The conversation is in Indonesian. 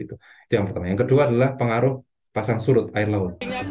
itu yang pertama yang kedua adalah pengaruh pasang surut air laut